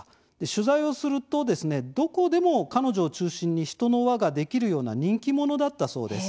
取材をするとどこでも彼女を中心に人の輪ができるような人気者だったそうです。